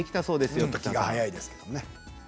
ちょっと気が早いですけどね。